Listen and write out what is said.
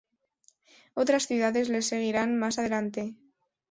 Otras ciudades les seguirán más adelante.